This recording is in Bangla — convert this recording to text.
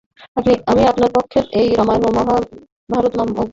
আমি আপনাদের সমক্ষে সেই রামায়ণ ও মহাভারত নামক অতি প্রাচীন কাব্যদ্বয়ের বিষয় বলিতে যাইতেছি।